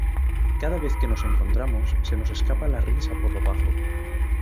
Cada vez que nos encontramos, se nos escapa la risa por lo bajo.